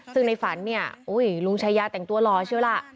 ซึ่งในฝันลุงชายาแต่งตัวร้อยเชียวล่ะ